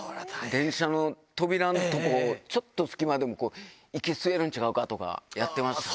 電車の扉のところ、ちょっと隙間でも、息吸えるんちゃうかとかやってましたね。